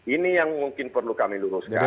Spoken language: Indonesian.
ini yang mungkin perlu kami luruskan